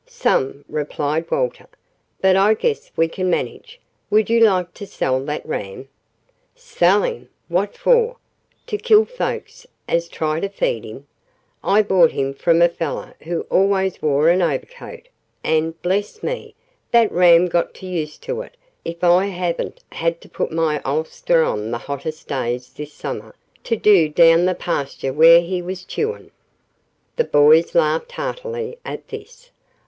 "Some," replied Walter. "But I guess we can manage. Would you like to sell that ram?" "Sell him? What for? To kill folks as try to feed him? I bought him from a fellow who always wore an overcoat, and, bless me, that ram got so used to it if I haven't had to put my ulster on the hottest days this summer to do down to the pasture where he was chewin'." The boys laughed heartily at this.